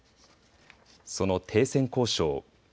その停戦交渉。